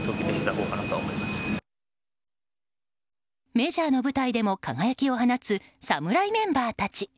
メジャーの舞台でも輝きを放つ侍メンバーたち。